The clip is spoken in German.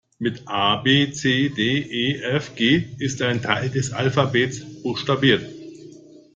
Mit A-B-C-D-E-F-G ist ein Teil des Alphabets buchstabiert!